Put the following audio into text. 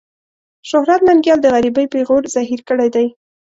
شهرت ننګيال د غريبۍ پېغور زهير کړی دی.